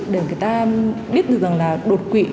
để người ta biết được rằng là đột quỵ